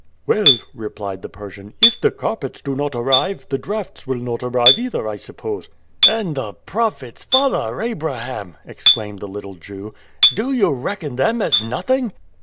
"Well," replied the Persian, "if the carpets do not arrive, the drafts will not arrive either, I suppose." "And the profits, Father Abraham!" exclaimed the little Jew, "do you reckon them as nothing?"